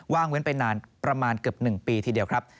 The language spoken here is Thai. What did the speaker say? งเว้นไปนานประมาณเกือบ๑ปีทีเดียวครับ